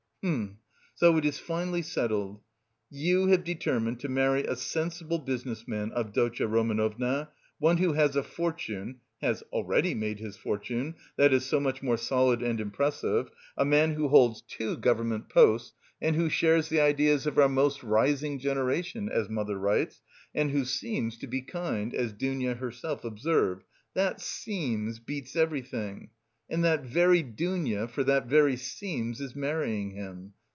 Hm... so it is finally settled; you have determined to marry a sensible business man, Avdotya Romanovna, one who has a fortune (has already made his fortune, that is so much more solid and impressive), a man who holds two government posts and who shares the ideas of our most rising generation, as mother writes, and who seems to be kind, as Dounia herself observes. That seems beats everything! And that very Dounia for that very 'seems' is marrying him!